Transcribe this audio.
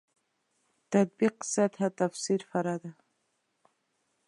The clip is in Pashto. تطبیق سطح تفسیر فرع ده.